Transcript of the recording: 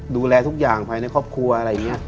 ดูแลทุกอย่างภายในครอบครัวอะไรอย่างนี้